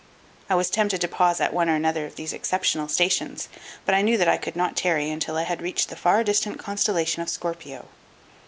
I was tempted to pause at one or another of these exceptional stations, but I knew that I could not tarry until I had reached the far distant constellation of Scorpio.